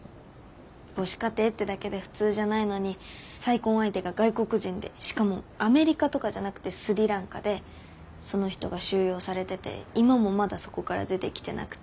母子家庭ってだけで普通じゃないのに再婚相手が外国人でしかもアメリカとかじゃなくてスリランカでその人が収容されてて今もまだそこから出てきてなくて。